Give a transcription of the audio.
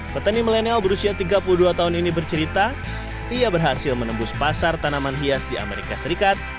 petani milenial berusia tiga puluh dua tahun ini bercerita ia berhasil menembus pasar tanaman hias di amerika serikat